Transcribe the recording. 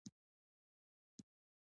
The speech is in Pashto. دوی د کاغذ او قلم سوداګري کوي.